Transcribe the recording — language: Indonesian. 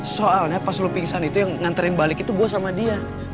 soalnya pas lu pingsan itu yang nganterin balik itu gue sama dia